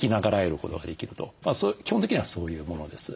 基本的にはそういうものです。